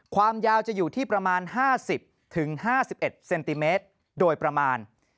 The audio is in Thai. ความยาวจะอยู่ที่ประมาณ๕๐๕๑เซนติเมตรโดยประมาณ